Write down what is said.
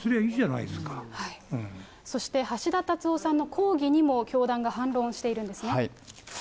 いいそして、橋田達夫さんの抗議にも教団が反論しているんですね。